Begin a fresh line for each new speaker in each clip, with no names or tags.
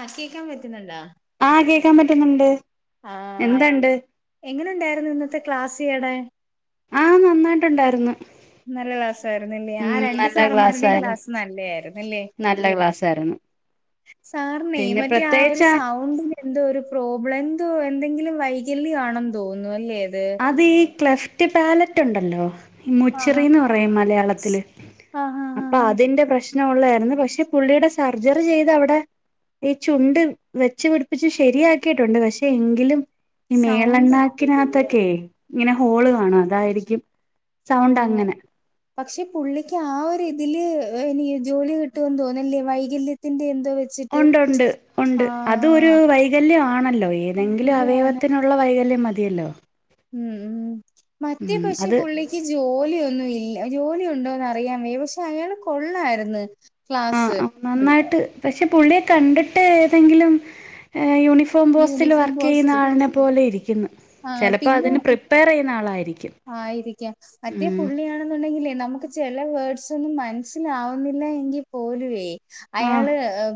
ആഹ് കേക്കാൻ പറ്റ് റ്റ്ന്നുണ്ടാ
ആഹ കേക്കാൻ പറ്റുന്നുണ്ട്.
ആഹ്
എന്തുണ്ട്
എങ്ങനെണ്ടായിരുന്നു ഇന്നത്തെ ക്ലാസ് ഇയാടെ.
ട്ട്ണ്ടായിര്ന്ന്.
നല്ല ക്ലാസായിരുന്നില്ലേ ആ രണ്ട്
നല്ല
സാറമ്മാരുടെയും
ക്ലാസ്സായിരുന്നു
ക്ലാസ് നല്ലയായിരുന്നല്ലേ.
നല്ല ക്ലാസ്സായിരുന്നു
സാറിനെ
പിന്നെ
മറ്റേ ആ ഒരു
പ്രത്യേകിച്ചാ
സൗണ്ടിന്റെ എന്തോ ഒരു പ്രോബ്ലം എന്തോ എന്തെങ്കിലും വൈകല്യോആണന്ന് തോന്നുന്നു അല്ലേ.
അത് ഈ ക്ലഫ് റ്റെ പാലറ്റ് ഒണ്ടല്ലോ
ആഹ്
മുച്ചിറെന്ന് പറയും മലയാളത്തില്
ആഹ് ആഹ്
അപ്പൊ
ആഹ്
അതിന്റെ പ്രശ് പ്രശ്നഒള്ളആയിരുന്നു പക്ഷെ പുള്ളീടെ സർജറി ചെയ്ത് അവിടെ ഈ ചുണ്ട് വെച്ച് പിടിപ്പിച്ച് ശരിയാക്കിയിട്ടുണ്ട്. പക്ഷെ എങ്കിലും ഈ
സൗണ്ട്
മേളണ്ണാക്കിനകത്തെ ഇങ്ങനെ ഹോള് കാണാം അതായിരിക്കും
ഓ
സൗണ്ട് അങ്ങനെ
പക്ഷെ പുള്ളിക്ക് ആ ഒരു ഇതിൽ ഇനി ജോലി കിട്ടുമെന്ന് തോന്നല്ലേ വൈകല്യത്തിന്റെ എന്ത
ഉണ്ട് ഉണ്ട് ഉണ്ട് അതൊരു
ആഹ്
വൈകല്യമാണല്ലോ ഏതെങ്കിലും അവയവത്തിനുള്ള വൈകല്യം മ മതിയല്ലോ
ഉം ഉ മറ്റേ
ഉം
പക്ഷെ
അത്
പുള്ളിക്ക് ജോലിയൊന്നും ഇല്ല ജോലി ഉണ്ടോന്ന് അറിയാൻ വയ്യ പക്ഷെ അയാള് കൊള്ളായിരുന്നു
ആഹ
ക്ലാസ്
ആ നന്നായിട്ട് പക്ഷെ പുള്ളിയെ കണ്ടിട്ട് ഏതെങ്കിലും യു ഫോം പോസ്റ്റിൽ
യൂണിഫോം
വർക്ക് ചെയ്യുന്ന
പോസ്റ്റ്
ആളെ പോലെയാണ് ഇരികുന്നത് ചിലപ്പോൾ അതിന് പ്രീപെയർ നാളായിരിക്കും
ആയിരിക്ക മറ്റേ പുള്ളിയാണെന്നുണ്ടെങ്കിലേ നമുക്ക്ചെ നല്ല വേർഡ്സ് ഒന്നും മനസ്സിലാവുന്നില്ല എങ്കിൽ പോലുവേ
ആ
അയാള്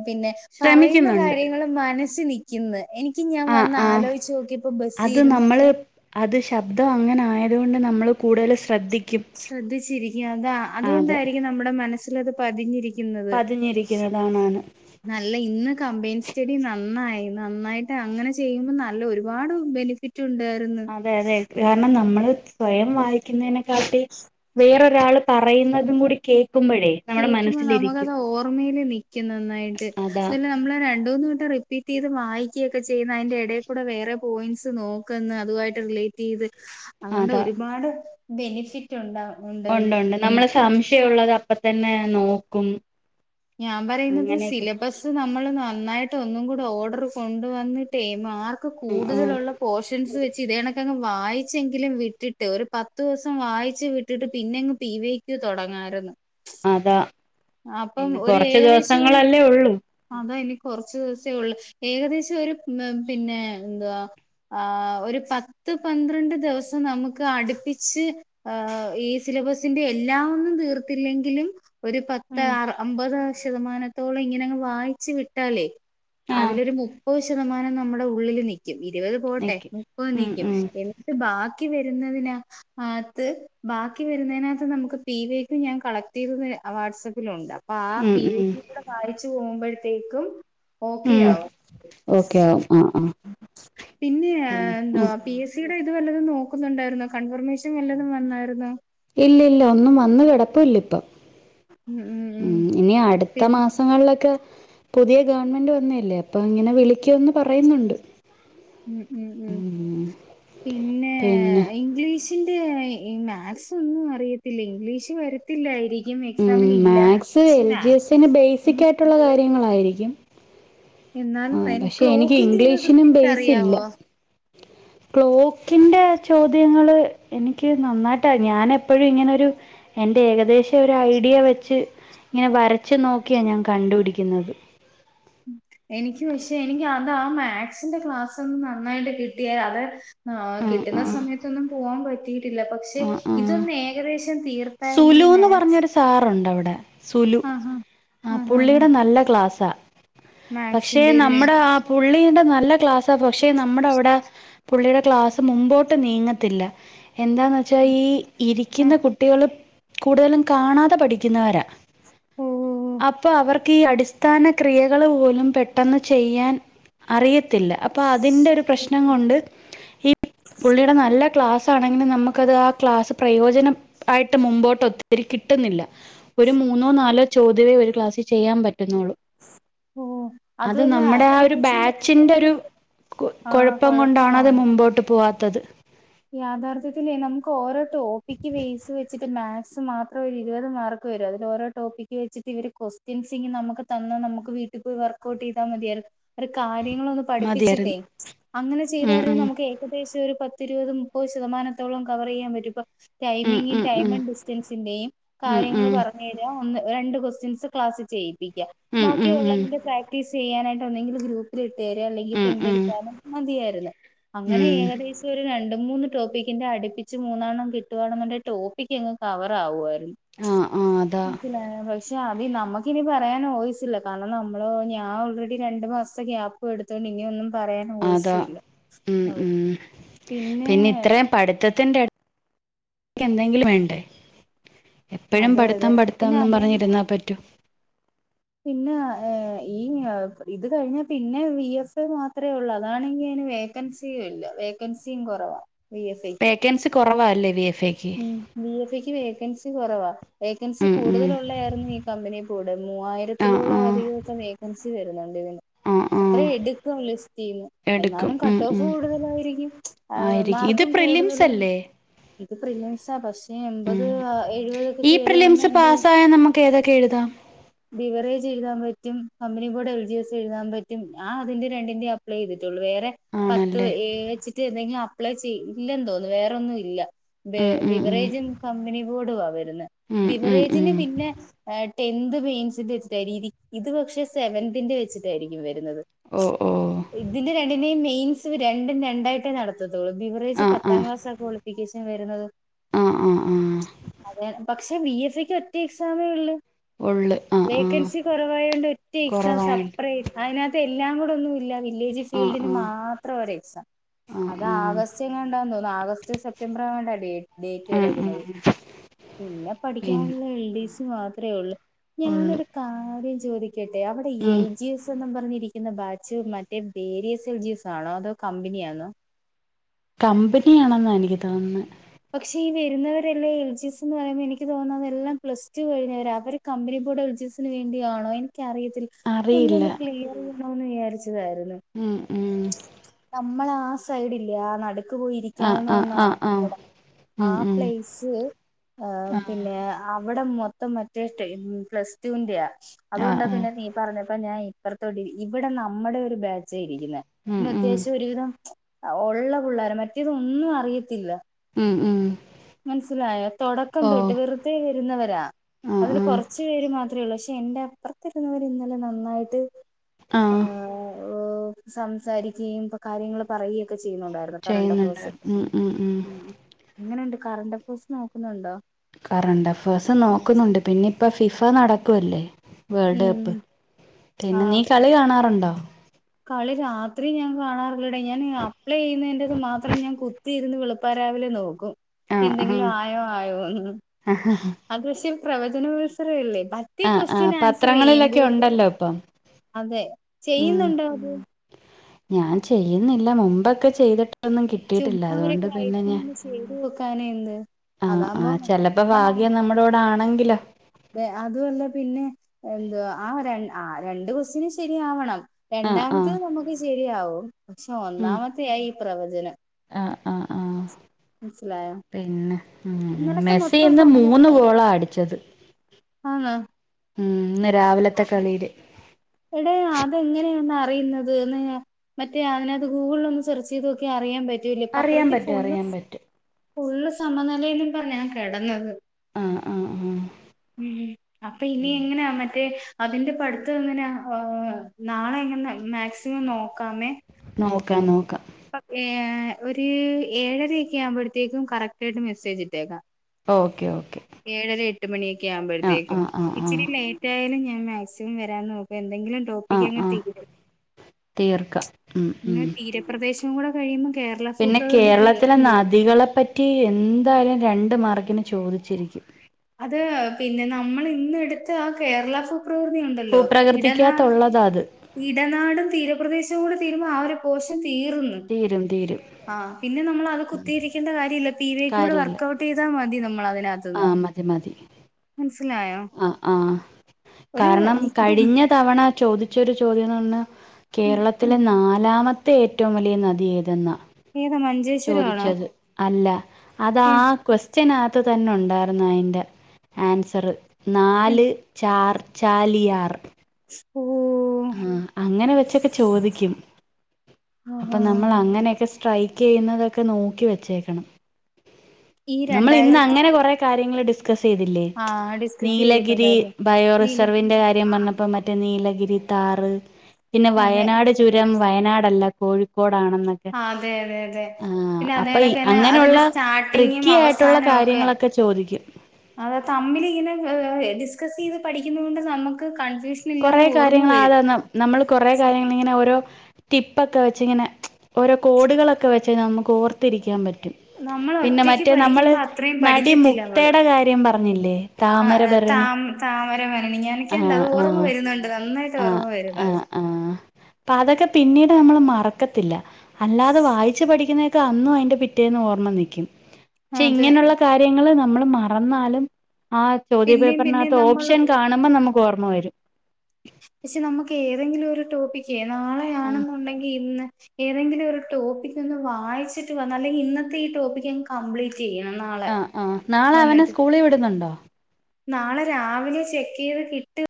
പിന്നെ പറയുന്ന
ശ്രമിക്കുന്നുണ്ട്
കാര്യങ്ങളും മന ചിക്ന്ന് എനിക്ക് ഞാൻ
ആ
വന്ന്
ആ
ആലോചിച്ചു നോക്കിപ്പോ ബസ്സിൽ
അത് നമ്മള്
ഇരുന്നോക്കെ
അത് ശബ്ദം അങ്ങനെ ആയതുകൊണ്ട് നമ്മൾ കൂടുതൽ ശ്രദ്ധിക്ക
ശ്രദ്ധിച്ചിരിക്കും അതാ
അതെ
അതുകൊണ്ടായിരിക്കും നമ്മുടെ മനസ്സൽ അത് പതിഞ്ഞിരിക്കുന്നത്
പതിഞ്ഞിരിക്കുന്നതാണാണ്
നല്ല ഇന്ന് കമ്പയിൻസ് ചെടി നന്നായി നന്നായിട്ട് അങ്ങനെ ചെയ്യുമ്പോൾ നല്ല ഒരുപാട് ബെനിഫിറ്റ് ഉണ്ടായിരുന്നു
അതെ അതെ കാരണം നമ്മള് സ്വയം വായിക്കുന്നതിന [unintelligible] വേറെ ഒരാള് പറയുന്നതും കൂടി കേ
കേക്കുമ്പോ നമ്മക്കത് ഓർമയില് നിക്കും നന്നായിട്ട്
അതാ
അതല്ല നമ്മള് രണ്ട് മൂന്ന് വട്ടം റിപ്പീ [unintelligible] വായിക്കുകയൊക്കെ ചെയ്യുന്ന അതിന്റെ എടേക്കുട വേറെ പോയിന്റ്സ് നോക്കന്ന് അതുവായിട്ട് റിലേറ്റ് ചെയ്ത് അതു കൊണ്ട്
അതാ
ഒരുപാട് ബെനിഫിറ്റ് ഒണ്ടാവും
ഉണ്ട് ഉണ്ട് നമ്മള് സംശയം ഉുള്ളത് അപ്പ തന്നെ നോക്കും
ഞാൻ പറയുന്നത്
അങ്ങനെയൊക്കെ
സിലബസ് നമ്മൾ നന്നായിട്ട് ഒന്നും കൂടി ഓർഡർ കൊണ്ട് വന്നിട്ടേ മാർ
ഉം ഉം
കൂതലുള്ള പോഷെൻസ് വെച്ച് ഇതേ കണക് വായിച്ചെങ്കിലും വിട്ടിട്ട് ഒരു പത്ത് ദിവസം വായിച്ച വിട്ടിട്ട് പിന്നെങ്ങ് പി വേക്ക തുടങ്ങാമായിരുന്നു
അതാ
അപ്പം
പിന്നെ
ഒരു
കൊറച്ച്
ഏകദേശം ഒരു
ദിവസങ്ങളല്ലേ ഉള്ളൂ
അത കുറച്ച് ദിവസേ ഉള്ള ഏകദേശം ഒരു പിന്നെ എന്തവാ ആ ഒരു പത്ത് പന്ത്രണ്ട് ദിവസം നമുക്ക് അടുപ്പിച്ച് ഈ സിലബസിന്റെ എല്ലാ ഒന്നും തീർത്തില്ലെങ്കിലും ഒരു റ്
ഉം
അമ്പത് ശതമാനത്തോളം ഇങ്ങനങ്ങ് വായിച്ചു വിട്ടാലേ
ആഹ്
അതിലൊരു മുപ്പത് ശതമാനം നമ്മുടെ ഉള്ളിൽ നിക്കും ഇരുപത് പോട്ടെ
നിക്ക്
മുപ്പ
ഉം
നീക്കും
ഉം
എന്ന് ബാക്കി ര ബാക്കി വരുന്നതിനത്ത് നമുക്ക് പി വക്ക ഞാൻ കളക്ട് ചെയ് വാ് ഉണ്ടാവും ആ
ഉം
പിരിവ്
ഉം
[unintelligible] പോകുമ്പോഴത്തേക്കും ഓക്കെ
ഉം
ആവും
ഓക്കെ ആവും ആ
പിന്നെ
ആഹ്
എന്തുവാ പി എസ് സിയുടെ ത് വല്ലതും നോക്കുന്നുണ്ടായിരുന്നോ കൺഫർമേഷൻ വല്ലതും വന്നായിരുന്നോ
ഇല്ല ഇല്ല ഒന്നും വന്ന് കിടപ്പ് ഇല്ല ഇപ്പം ഉം ഇനി അടുത്ത
പിന്നെ
മാസങ്ങളിലൊക്കെ പുതിയ ഗവൺമെന്റ് വന്നീല്ലേ അപ്പൊ ഇങ്ങനെ വിളിക്കോന്ന് പറയുന്നുണ്ട്
ഉം ഉം ഉം പിന്നെ
പിന്നെ
ഇംഗ്ലീഷ് റ്റിന്റെ മാത്‍സ് ഒന്നും അറിയത്തില്ല ഇംഗ്ലീഷ് വരത്തില്ലായിരി
ഉം മാത്‍സ് എൽ ജി എസ്സിന് ബേസിക് ആയിട്ടുള്ള കാര്യങ്ങളായിരിക്കും ആ
എന്നാലും എനി
പക്ഷെ എനിക്ക്
ക്ലോക്കിന്റെ [unintelligible]
ഇംഗ്ലീഷിനും
കൃത്യായിട്ട്
ബേസ് ഇല്ല
അറിയാവോ
ക്ലോക്കിന്റെ ചോദ്യങ്ങള് എനിക്ക് നന്നായിട്ടാ ഞാൻ എപ്പോഴും ഇങ്ങനെരു എന്റെ ഏകദേശം ഒരു ഐഡിയ വെച്ച് ഇങ്ങനെ വരച്ച് നോക്കിയാ ഞാൻ കണ്ടുപിടിക്കുന്നത്
ഉം എനിക്ക് പക്ഷേ എനിക്ക് അത് ആ മാത്‍സ്ന്റെ ക്ലാസ്സ് ഒന്ന് നന്നായിട്ട് കിട്ടിയാ അത് ആ കിട്ടുന്ന സമയത്തൊന്നും പോകാൻ പറ്റി ല്ലാ പക്ഷേ ഇതൊന്നേ [unintelligible]
സുലുന്ന് പറഞ്ഞൊരു സാറുണ്ടോ അവിടെ ട്ടെ സുലു
ആഹ്
ആ
ആഹ് ആഹ്
പുള്ളിയുടെ നല്ല ക്ലാസ്സാ പക്ഷെ
മാത്സിന്റെല്ലേ
നമ്മുടെ ആ പു പുള്ളീടെ നല്ല ക്ലാസ്സാ പക്ഷേ നമ്മുടെ അവിടെ പുള്ളിയുടെ ക്ലാസ് മുമ്പോട്ട് നീങ്ങത്തില്ല എന്താന്ന് വച്ചാ ഈ ഇരിക്കുന്ന കു കൂടുതലും കാണാതെ പഠിക്കുന്നവരാ
ഓ ഓ
അപ്പൊ അവർക്ക് ഈ അടിസ്ഥാന ക്രിയകൾ പോലും പെട്ടെന്ന് ചെയ്യാൻ അറിയ ത്തില്ല അപ്പം അതിന്റെ ഒരു പ്രശ്നം കൊണ്ട് ഈ പു പുള്ളിടെ നല്ല ക്ലാസ് ആണെങ്കിലും നമ്മൾക്ക് അത്‌ ആ ക്ലാസ് പ്രയോജനം ആയിട്ട് മുമ്പോട്ട് ഒത്തിരി കിട്ടുന്നില്ല ഒരു മൂന്നോ നാലോ ചോദ്യമേ ഒരു ക്ലാസ്സിൽ ചെയ്യാൻ പറ്റു ന്നൊള്ളു
ഓ
അത്
അതുമല്ല
നമ്മുടെ ആ ഒരു
അത്യാവശ്യം
ബാച്ചിന്റെ ഒരു കൊ
ആ
കൊഴപ്പം കൊണ്ടാണത് മുമ്പോട്ട് പോവാ താത്
യാഥാർത്ഥ്യത്തിലെ നമുക്ക് ഓരോ ടോപ്പിക്ക് ബെയ്‌സ് വെച്ചിട്ട് മാത്‍സ് മാത്രം ഇരുപത് മാർക്ക് വരും അതിൽ ഓരോ ടോപ്പിക്ക് വച്ചിട്ട് ക്വസ്റ്റ്യൻസ് ഇവര് നമുക്ക് തന്ന നമുക്ക് വീട്ടിൽ പോയി വർക്ക് ഔട്ട് ചെയ്താ മതിയാരുന്നു അവര് കാര്യാ നിങ്ങളൊന്നു പഠിപ്പിച്ചിട്ടേ
മതിയായിരുന്നു
അങ്ങനെ
ഉം
ചെയ്തിരുന്നേൽ നമ്മക്ക് ഏകദേശം ഒരു ഇരുപത് മുപ്പത് ശതമാനത്തോളം കവർ ചെയ്യാൻ പറ്റും ഇപ്പം
ഉം
ടൈമിങ്ങും
ഉം ഉം
ടൈംമും ഡിസ്റ്റൻസിന്റെയും
ഉം ഉം
കാര്യങ്ങള്
ഉം
പറഞ്ഞു [unintelligible] ഒന്ന് രണ്ട് ക്വസ്റ്റ്യൻസ് ക്ലാസ് ചെയ്യിപ്പി ക്കാ ബാക്കി
ഉം ഉം
ഉള്ളതിന്റെ പ്രാക്ടീസ് ചെയ്യാനായിട്ടന്തെങ്കിലും ഗ്രൂപ്പില് തെര് അല്ലെങ്കി
ഉം ഉം ഉം
പ്രിന്റ്ട്ത്താലും മതിയാരിന്ന്. അങ്ങനെ
ഉം
ഏകദേശ് ഒര് രണ്ട് മൂന്നു ടോപ്പിക്കിന്റെ അട്പ്പിച്ച് മൂന്നണ്ണം കിട്ടുവാണന്നുണ്ടേൽ ടോപ്പിക്ക് അങ്ങ് കവറാവ് ര്
ആ ആ അതാ
പിന്നെ റസ് അഭി നമ്മക്കിനി പറയാൻ വോയിസ്‌ ഇല്ല. കാരണം നമ്മള് ഞാൻ ആൾറെഡി രണ്ട് മാസത്തെ ഗ്യാപ്പ് എടുത്ത് നീ ഒന്നും
അതാ ഉം ഉം
പിന്നെ
ത്ത ത്തിന്റെ എട്ക്കെ എന്തെങ്കിലും വേണ്ടേ? എപ്പെഴും
അതെ അതെ
പഠിത്തം പഠിത്തം
പിന്നെ
ന്നും
അതെ
പറഞ്ഞിരുന്ന പറ്റോ
പിന്നെ ആ ഈ ആ ഇത് കഴിഞ്ഞ പിന്നെ വി എസ് എ മാത്രെ ഒള്ളു അതാണ്ണങ്കിൽ പിന്നെ വേക്കൻസി ഇല്ല വേക്കൻസിയും കുറവാ
വേക്കൻസി കൊറ കുറവല്ലേ അതിൽ
നീതിക്കുവെ കൻസി കുറവാ വേക്കൻസി
ഉം ഉം
കൂടുതലുള്ള യാരും ഈ കമ്പനി കൂടെ
ആ
മൂവായിരത്തിലുള്ള
ആ
ഒരേ ഒരു വേക്കൻസി [unintelligible]
ആ ആ
അത്രേം എടക്കും ലിസ്റ്റിന്ന്
എടുക്കും
എന്നാലും
ഉം
ക്യൂട്ടോഫും
ഉം
കൂടുതലായിരിക്കും
ആയിരിക്കും ഇത്
മാർക്കും
പ്രിലിംസ്
കൂടുതല്
അല്ലേ
പ്രിലിംസാ പക്ഷെ
ഉം
എൻപത് എഴുപത് ഒക്കെ തിയറി വന്ന ഏന്തേയ്യും
കേതാ കേടത [unintelligible]
വിവറേജ് എഴുതാൻ പറ്റും കമ്പനി കൂടെ എൽ ജി എസ് എഴുതാൻ പറ്റും ആ അതിന്റെറെ രണ്ടിന്റെയും അപ്ലൈ ചെയ്തിട്ട് വേറെ പത്ത്
ആണല്ലേ
വെച്ചിട്ട് എന്തെങ്കിലും അപ്ലൈ ചെയ്യ ഇല്ലെന്ന് തോന്നുന്നു വേറെൊന്നും ഇല്ല ബ
ഉം ഉം ഉം
ബിവറേജും കമ്പനി ബോഡും ആ വന്ന്
ഉം ഉം
ബിവറേജിന്
ഉം
പിന്നെ എന്ത്‌ മെയിൻസിന്റെ വെച്ചിട്ടതി ഇത് പക്ഷെ സേവനത്തിന്റ വച്ചിട്ടായിരിക്കും വ
ഓ ഓ
ഇതുന്റി രണ്ടിന്റെയും - ബീൻസ് രണ്ടും രണ്ടായിട്ടേ നടത്തുന്നത് അ ബിവറേ്
ആ ആ
പത്താം ക്ലാസ് ആോുള്ള വര
ആ ആ ആ
അ പക്ഷെ ബി എഫക്ക് ഒറ്റ എക്സാമേ ഉള്ള
ഉള്ള് ആ ആ
വേക്കൻസി കുറവായോണ്ട് എക്സാം
കുറവായോണ്ട്
സെപ്പറേറ്റ് അതിനക എല്ലാം കൂടെ ഒന്നും ഇല്ല വില്ലേജ്
ആ
ഫീൽഡിന്
ആ
മാത്രം എക്സാം
ആ
അത്
ആ
ആഗസ്റ്റ് കണ്ടാന്ന് തോന്നുന്നു ആഗസ്റ്റ് സെപ്റ്റംബർ വണ്ടാ ഡേറ്റ്
ഉം ഉം
എടക്കുന്നത് പിന്നെ
പിന്നെ
പഠിക്കാാനുള്ള എൽ ഡി സ മാത്രമേ ഉള്ളൂ
ഉള്ളു
ഞാനൊരു കാര്യം ചോദിക്കട്ടെ അവിടെ
ഉം
എൽ ജി എസ് എന്നും പറഞ്ഞിരിക്കുന്ന ബാച്ച മറ്റേ ബേരിയസ് എൽ ജി എസ് ആണോ അതോ കമ്പനിയാണോ
കമ്പിനി ആണെന്നാ എനിക്ക് തോന്നന്ന്
പക്ഷെ ഈ വരുന്നവരെല്ലേ എൽ ജി എസ് എന്ന് പറയ്പോ എനിക്ക് തോന്നാത എല്ലാം പ്ലസ് ടു കഴിഞ്ഞവര് അവർ കമ്പനി പോടെ ഉജന് ആണോ എനിക്കറിയത്തില്ല
അറിയില്ല
ഒന്നൊന്ന് ക്ലിയർ കൂട്ടണോന്ന് വിചാരിച്ച് തായിരുന്നു
ഉം ഉം
സൈഡില്ലെ ആ നട്
ആഹ് ആഹ്
ക്ക്പോയിരിക്കാമെന്ന്പർഞ്ഞ
ആഹ് ആഹ്
[unintelligible] ആ
ഉം ഉം
പ്ലയ്സ് ഏം
ആഹ്
പിന്നെ അ അവടം മൊത്തം മറ്റേ ടെ പ്ലസ് ടു ൻ്റ്യാ
ആഹ്
അത്കൊണ്ടാ
ആഹ്
പിന്നെ നീ പറഞ്ഞ ഇപ്പ ഞാൻ ഇപ്പർത്തൊടി ഇവടെ നമ്മടെ ഒരു ബാച്ച യിരിക്കുന്നെ
ഉം
പിന്നെ
ഉം
അത്യാവശ്യം ഒരുവിധം ഒള്ള പിള്ളേര് മറ്റേത് ഒന്നും അറിയത്തില്ല
ഉം ഉം
മൻസ്സിലായ തൊടക്കം
ഓഹ്
തൊട്ട് വെർതെ വെരുന്നവരാ
ആഹ്
അതില്
ആഹ്
കൊർച്ച് പേര് മാ ത്രൊള്ളൂ പക്ഷെ എന്റെ അപ്പർ ത്തിരുന്നവര് ഇന്നലെ നന്നായിട്ട്
ആ
സംസാരിക്ക്യേം ഇപ്പ കാര്യങ്ങള് പറയെക്കെ
ചെയ്യുന്നുണ്ടായിരുന്നു ഉം ഉം ഉം
എങ്ങനെ ണ്ട് കറണ്ടഫേഴ്സ് നോക്കുന്നുണ്ടോ
കറണ്ടഫേഴ്സ് നോക്കുന്നുണ്ട് പിന്നെ ഇപ്പം ഫിഫ നടക്കുവല്ലേ വേൾഡ്
ഉം
കപ്പ് പിന്നെ നീ
ആഹ്
കളി കാണാറുണ്ടോ
കളി രാത്രി ഞാൻ കാണാറില്ലടെയ് ഞാന് അ അപ്ലൈ യ്യ്ന്നെൻ്റെ മാത്രം ഞാൻ കുത്തി ര്ന്ന് വെളുപ്പാ രാവിലെ നോക്കും
ആഹ്
എന്തെങ്കിലും
ആഹ്
ആയോ ആയോന്ന് അത് പക്ഷെ പ്രവ ജനോഴ്‌സറിയല്ലേ
ആ ആ പത്രങ്ങളിലൊക്കെ ഉണ്ടല്ലോ പ്പം
അതെ ചെയ്യുന്നുണ്ടോ അത്
ഞാൻ ചെയ്യ്ന്നില്ല മുമ്പൊക്കെ ചെയ്തി ട്ടൊന്നും കിട്ടിട്ടില്ല
ചുമ്മാ
അതൊണ്ട്
അവരൊക്കെ
പിന്നെ ഞാൻ
റൈറ്റിനൊന്ന് ചെയ്തു നോക്കാനെ എന്ത്
ആ ആ
അതാകുമ്പം
ചെലപ്പ ഭാഗ്യം നമ്മടെ കൂടെ ആണെ ഇല്ല
അതെ അതു അല്ല പിന്നെ എന്തുവാ ആ രണ്ട് ആ രണ്ട് കൊസ്റ്റ്യന് ശെരിയാവണം
ആഹ് ആഹ്
രണ്ടാമത്തേത് നമക്ക് ശെ രിയാവും പക്ഷെ ഒന്നാമത്ത്യായി പ്രവചനം
ആ ആ ആഹ്
മനസ്സിലായോ
പിന്നെ
ഇന്നലത്തെ മൊത്തം
മെസ്സീന്ന്
സമത
മൂന്ന് ഗോളാ അടിച്ചത്
ആന്ന്
ഉം ഇന്ന് രാവിലത്തെ കളിയില്
റിയുന്നത് ന്ന് മറ്റേ അതിനകത്ത് ഗൂഗിളിൽ ഒന്നും സെർച്ച് ചെയ്ത് നോക്ക്യാ അറിയാൻ പറ്റ
അറിയാൻ പറ്റും അറിയാൻ പറ്റും
ഫുള്ള് സമനിലയിലും പറഞ്ഞാ കിടന്നത്
ആഹ് ആഹ് ആഹ്
ഉം അപ്പൊ ഇനി എങ്ങനാ മ ഏ അതിന്റെ പഠ്ത്തം എങ്ങനാ ഏ നാളെ എങ്ങനാ മാ ക്സിമം നോക്കാമേ
നോക്കാം നോക്കാം
അപ്പൊ ഏ ഒരു ഏഴരയൊക്കെ ആവുമ്പോഴത്തേക്കും കറക്റ്റായിട്ട് മെസ്സേജ് ഇട്ടേക്ക
ഓക്കെ ഓക്കെ
ട്ട് മണിക്ക്
ആഹ്
ആവുമ്പോഴത്തേക്കും
ആഹ് ആഹ്
ഇച്ചിരി
ആഹ്
ലൈറ്റായാലും ഞാൻ മാക്സിമം വരാൻ നോകാ [unintelligible] എന്തെങ്കിലും ടോപ്പിക്ക്
ആഹ്
അങ്ങെ
ആഹ്
തീരോ
തീർക്കാം ഉം
ഇന്ന്
ഉം
തീരപ്രദേശ ന്നൂടെ കഴിയുമ്പം
പിന്നെ കേരളത്തിലെ നദികളെ പറ്റി എന്തായാലും രണ്ട് മാർക്കിന് ചോദിച്ചിരിക്കും
അത് പിന്നെ നമ്മൾ ഇന്നെടുത്ത് ആ കേരള ഫൊ പ്രവൃതി ഉണ്ടല്ലോ ഇടന
ഭൂപ്രകൃതിക്കകത്തുള്ളതാ അത്
ഇടനാടും തീരപ്രദേശവും കൂടെ തി സിമം ആ ഒരു പോഷൻ തീർന്ന്
തീരും തീരും
പിന്നെ നമ്മള് അത് കുത്തിയിരിക്കണ്ട കാര്യല്ല അ പി വൈ ക്യൂ ല്
കാര്യമില്ല
വർക്കൗട്ടൈതാൽ മതി നമ്മൾ നകത്ത്ന്ന്
അമതി ആ ആഹ്
ഒരു
കാരണം
ഇപ്പ
കഴിഞ്ഞ തവണ ചോദിച്ചൊരു ചോദ്യം ന്ന്പറഞ്ഞാ കേരളത്തിലെ ന ലല്ലാമത്തെ ഏറ്റവും വലിയ നദി ഏതെന്ന
ഏതാ മഞ്ചേശ്വരം ആണോ
ചോദിച്ചത് അല്ല അതാ
ഏ
കൊക്വസ് സ്റ്റനകത്ത തന്നെ ഉണ്ടായിരുന്നു അതിന്റെറെ ആൻസർ നാല് ചാർ ചാലിയാർ
ഉ
ആഹ് അങ്ങനെ വെച്ചൊക്കെ ചോദിക്കും
ആ
അപ്പൊ നമ്മൾ അങ്ങനെയൊക്കെ സ്ട്രൈക്ക് ചെയ്യുന്നതൊക്കെ നോക്കി വെച്ചേക്കണം
ഈ
നമ്മൾ ഇന്ന്
രണ്ടായിരത്തി
അങ്ങനെ കൊറെ കാര്യങ്ങൾ ഡിസ്
ആ ഡിസ്കസ്
നീലഗിരി
ചെയ്തിട്ടുണ്ടായിരുന്നു
ബയോ
നീല
റിസർന്റെ കാര്യംപ്പോ മറ്റ നീ ഗിരി ആറ് പിന്നെ
അതെ
വയനാട് ചുരം വയനാടല്ല കോഴിക്കോട്
അതെ അതെ അതെ പിന്നെ
അപ്പൊ
അതണക്ക തന്നെ അതിന്റെ
അങ്ങനെയുള്ള
സ്റ്റാർട്ടിങ്ങും
ട്രിക്കി ആയിട്ടുള്ള
അവസാനം ഒക്കെ
കാര്യങ്ങളൊക്കെ ചോദിക്കും
അത തമ്മിൽ ഇങ്ങനെ [unintelligible] ക്കസ്ചെയ്ത് പഠിക്കുന്ന കൊണ്ട് നമുക്ക് കൺഫ്യൂഷൻ
കൊറെ
ഇല്ലാതെ ഓർമ്മ വരും
കാര്യങ്ങളാത നമ്മള് കൊറ കാര്യങ്ങ ഇങ്ങനെ ഓരോ ടിപ്പൊക്കെ വെച്ചിങ്ങനെ ഓരോ കോഡുകളൊക്കെ വെച്ച് നമുക്ക് ഓർത്തിരിക്കാൻ പറ്റും
നമ്മൾ
പിന്നെ
ഒറ്റക്ക്
മറ്റേ നമ്മള്
പഠിക്കുമ്പോ അത്രയും
നടി
പഠിക്കത്തില്ല അവള്
മുക്തയുടെ കാര്യം പറഞ്ഞില്ലേ
ആ താ
താമരഭരണി
മം താമരവരണി
ആ
ഞാനൊക്കെണ്ടത് ഓർമ്മ
ആഹ്
വരുന്നുണ്ട് നന്നായിട്ട്
ആഹ്
ഓർമ്മ വറ്ണത്
ആഹ് ആഹ് അപ്പൊ അതൊക്കെ പിന്നീട് നമ്മള് മറക്കത്തില്ല അല്ലാതെ വായിച്ചു പഠിക്കുന്നതൊക്കെ അന്നും അതിന്റെ പിറ്റേന്ന് ഓർമ്മ നിൽക്കും പക്ഷെ
അതെ
ഇങ്ങനെയുള്ള കാര്യങ്ങൾ നമ്മള് മറന്നാലും ആ ചോദ്യ
പിന്നെയും
പേപ്പറിനകത്ത്
പിന്നെയും നമ്മൾ
ഓപ്ഷൻ കാണുമ്പോ നമുക്ക് ഓർമ്മ വരും
ോിക്ക [unintelligible] കേ
ആഹ്
നാളെയണെന്നുണ്ടെങ്കിൽ ഇന്ന് ഏതെങ്കിലും ഒരു ടോപ്പി ഒന്ന് വായിച്ചിട്ട് വന്ന അല്ലെങ്കിൽ ഇന്നത്തെ ഈ ടോപ്പിക് അങ്ങ് കംപ്ലീറ്റ് ചെയ്യണം നാളെ
ആ ആഹ് നാളെ അവനെ
വന്നിട്ട്
സ്കൂളിൽ വിടുന്നുണ്ടോ
നാളെ രാവിലെ ചെക്ക് ചെയ്ത് കിട്ടുക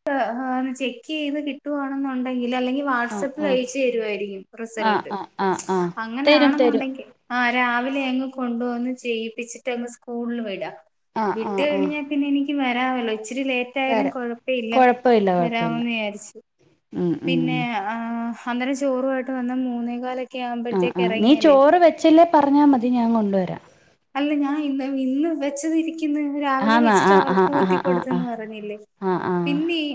ചെക്ക് ചെയ്ത് കിട്ടുവാണെന്നുണ്ടെങ്കിൽ അല്ലെങ്കിൽ
ആഹ്
വാട്സആപ്പിൽ
ആഹ്
അയച്ച്ു തരുയിരിക്കും
ആഹ്
റിസൾട്ട്
ആഹ് ആഹ് ആഹ് തരും തരും
അങ്ങനൊണെന്നുണ്ടെങ്കിൽ ആ രാവിലെ എങ്ങ് കൊണ്ട പോന്ന് ചെയ്യിപ്പിച്ചിട്ട്ങ്ങ് സ്കൂളിൽ വിട
ആഹ്
വിട്ട
ആഹ് ആഹ്
കഴണഞ്ഞാ പിന്നെ എനി ക്ക് വരാവല്ലോ ഇച്ച് ഇത്തിരി ലേറ്റ് ആയാലും
തരാം
കൊഴപ്പ ഇല്ല.
കൊഴപ്പമില്ല കൊഴപ്പമില്ല
വരാമെന്ന് വിയാരിച്ചു.
ഉം ഉം
പിന്നെ ആ ആ ഹന്നേരം ചോറു വാ യിട്ട് വന്നാ മൂന്നേ ക്കാല്
ആ ആ നീ ചോറ് വെച്ചില്ലേ പറഞ്ഞാ മതി ഞാൻ കൊണ്ടുവരാ.
അല്ല ഞാൻ ഇന്ന് ഇന്ന് വെച്ചതിരിക്ക ന്ന് രാവിലെ
ആന്നാ
വെച്ചിട്ട്
ആഹ് ആഹ്
അവർക്ക്
ആഹ്
ഊറ്റികൊ
ആഹ് ആഹ്
ടുത്തന്ന് പറഞ്ഞില്ലേ
ആഹ് ആഹ്
പിന്നെ ഇ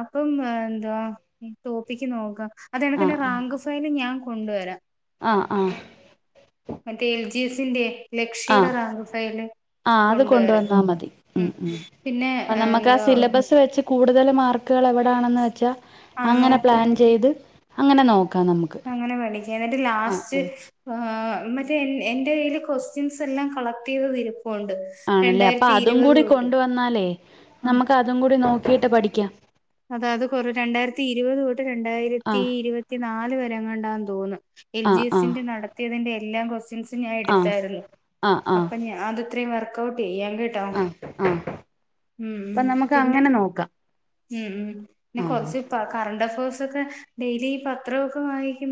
അപ്പം എന്തുവാ തോപ്പിക്ക് നോക്കാം അതെനക്ക്ന്ന റാങ്ക് ഫൈല് ഞാൻ കൊണ്ടുവരാം
ആ ആ
ജീസിന്റെേ ലക്ഷ്യുടെ റാങ്ക്ഫയല്
ആഹ് അത്
കൊണ്ടുവര
കൊണ്ടുവന്നാ മതി
ഉം പിന്നെ
അപ്പൊ നമുക്ക് ആ
എന്തുവാ
സിലബസ് വെച്ച് കൂടുതൽ മാർ ക്കൾ എവിടണെന്ന് വെച്ചാ
ആഹ്
അങ്ങനെ
നോക്കി
പ്ലാൻ ചെയ്ത് അങ്ങനെ നോ
അങ്ങനെ പടിക്ക എന്നിട്ട് ലാസ്റ്റ്
ആഹ്
ആ മറ്റേ എന്റെ കയ്യിൽ കൊസ്റ്റ്യൻസ് എല്ലാം കളക്ട് ചെയ്തത് ഇ രു
ആണല്ലേ അപ്പൊ അതും കൂടി കൊണ്ടന്നാലേ നമുക്ക് അതും കൂടി നോ കീട്ട പഠിക്കാം
അത അത് കൊറ രണ്ടായിരത്തി ഇരുപത് തൊട്ട് രണ്ടായിരത്തി
ആഹ്
ഇരുപത്തി നാല് വരെങ്ങണ്ടാന്ന് തോന്ന് എൽ ജി
ആഹ് ആഹ്
എസ്സിന്റെ നടത്തിയതിന്റെ എല്ലാം കൊറ [unintelligible] ഞാൻ
ആഹ്
എടുത്തായിരുന്നു
ആഹ്
അപ്പ അത് ഇത്രം പേർക്ക് [unintelligible] ചെയ്യാൻ
ആ ആ
ഉം
അപ്പ നമുക്ക്
പിന്നെ
അങ്ങനെ നോക്കാം
ഉം ഉം പിന്നെ
ആഹ്
കുറച്ച് കറണ്ട് അഫ യേസ് ഒക്കെ ഡെയിലി ഈ പത്രമൊക്കെ വായിക്കുമ്പോ